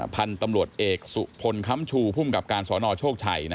พันธุ์ตำรวจเอกสุพลค้ำชูภูมิกับการสนโชคชัย